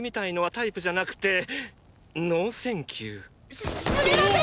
すすすみません